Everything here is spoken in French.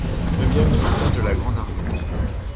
Neuvième bulletin de la grande armée.